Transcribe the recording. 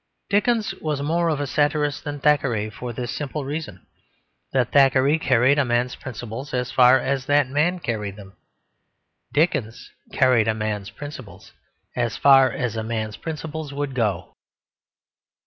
Dickens was more of a satirist than Thackeray for this simple reason: that Thackeray carried a man's principles as far as that man carried them; Dickens carried a man's principles as far as a man's principles would go.